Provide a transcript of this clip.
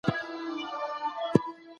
پرشتو د خدای امر سمدستي پر ځای کړ.